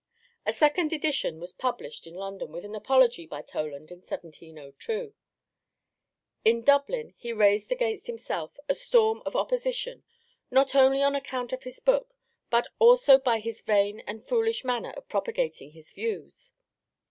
A second edition was published in London with an apology by Toland in 1702. In Dublin he raised against himself a storm of opposition, not only on account of his book, but also by his vain and foolish manner of propagating his views.